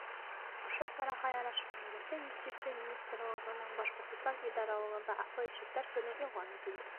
Ошо сараға ярашлы, Рәсәй Юстиция министрлығының Башҡортостан идаралығында Асыҡ ишектәр көнө иғлан ителде.